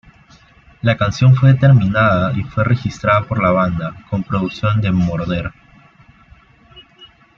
La canción fue terminada y fue registrada por la banda, con producción de Moroder.